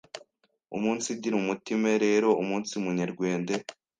Umunsigire umutime rero, umunsi Munyerwende,